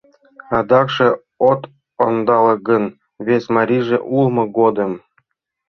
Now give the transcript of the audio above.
Адакше от ондале гын, вес марийже улмо годым...